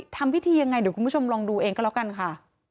ทำพิธียังไงเดี๋ยวคุณผู้ชมลองดูเองก็แล้วกันค่ะ